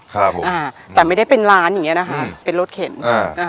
ครับผมอ่าแต่ไม่ได้เป็นร้านอย่างเงี้นะคะเป็นรถเข็นอ่านะคะ